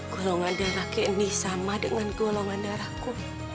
golongan darah candy sama dengan golongan darahku